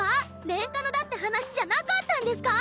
レンカノだって話じゃなかったんですか